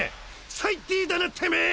最低だなてめぇ！